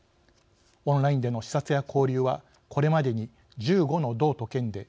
オンラインでの視察や交流はこれまでに１５の道と県で